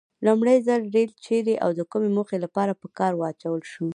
لومړي ځل ریل چیري او د کومې موخې لپاره په کار واچول شو؟